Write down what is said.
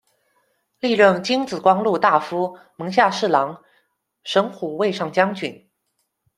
历任金紫光禄大夫、门下侍郎、神虎卫上将军。